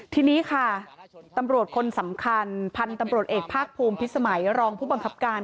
ทีนี้ค่ะตำรวจคนสำคัญพันธุ์ตำรวจเอกภาคภูมิพิสมัยรองผู้บังคับการ